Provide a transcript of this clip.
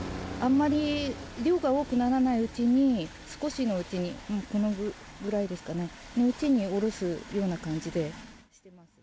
あんまり量が多くならないうちに、少しのうちに、このぐらいですかね、のうちに下ろすような感じで。